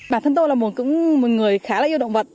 bản thân tôi là một người khá là yêu động vật